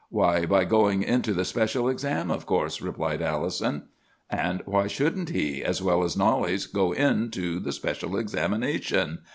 "'Why, by going into the special exam., of course!' replied Allison. "'And why shouldn't he, as well as Knollys, go into the special examination?